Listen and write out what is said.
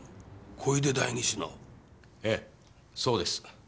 小出代議士の⁉ええそうです。